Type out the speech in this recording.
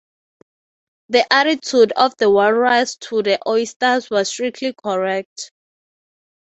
The attitude of the walrus to the oysters was strictly correct.